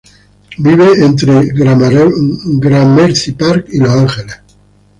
Vive entre Gramercy Park y Los Ángeles.